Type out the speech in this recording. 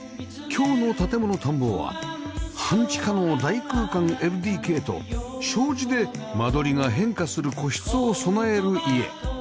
今日の『建もの探訪』は半地下の大空間 ＬＤＫ と障子で間取りが変化する個室を備える家